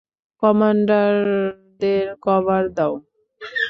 কমান্ডোদের cover দাও!